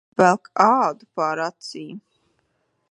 Velk ādu pār acīm.